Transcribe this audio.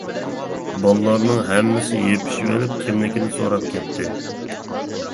بالىلارنىڭ ھەممىسى يېپىشىۋېلىپ كىملىكىنى سوراپ كەتتى.